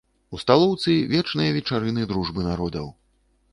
У сталоўцы вечныя вечарыны дружбы народаў.